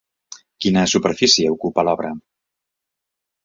Quina superfície ocupa l'obra?